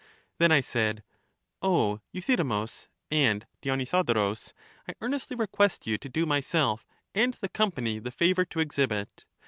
Then I said : O Eu thydemus and Dionysodorus, I earnestly request you to do myself and the company the favor to exhibit.